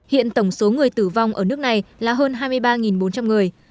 hiện tổng số người tử vong ở nước này là hơn hai mươi ba bốn trăm linh người